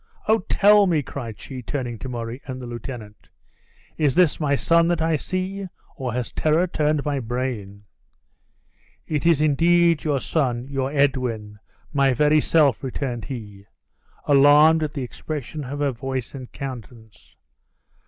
Oh! tell me," cried she, turning to Murray, and the lieutenant, "is this my son that I see, or has terror turned my brain?" "It is indeed your son, your Edwin, my very self," returned he, alarmed at the expression of her voice and countenance.